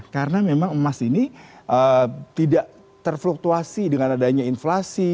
karena memang emas ini tidak terfluktuasi dengan adanya inflasi